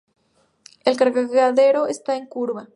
El cargadero está en curva.